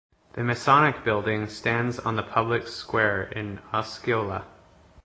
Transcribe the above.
The Masonic Building stands on the public square in Osceola.